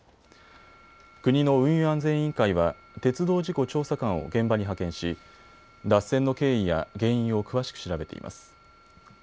国の運輸安全委員会は鉄道事故調査官を現場に派遣し脱線の経緯や原因を詳しく調べています。